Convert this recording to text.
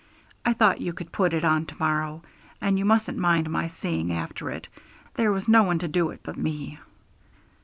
'I thought you could put it on to morrow; and you mustn't mind my seeing after it; there was no one to do it but me.'